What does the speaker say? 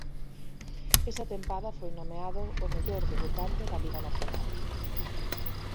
Esa tempada foi nomeado o mellor debutante da liga Nacional.